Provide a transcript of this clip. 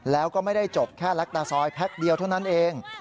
แล้วก็ไม่ได้จบแค่แล็กตาซอยแพ็คเดียวเท่านั้นเอง